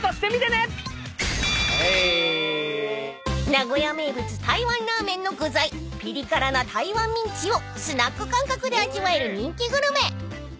［名古屋名物台湾ラーメンの具材ぴり辛な台湾ミンチをスナック感覚で味わえる人気グルメ］